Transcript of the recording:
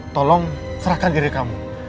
tolong serahkan diri kamu